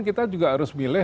kita juga harus